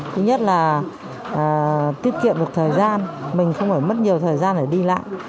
thứ nhất là tiết kiệm được thời gian mình không phải mất nhiều thời gian để đi lại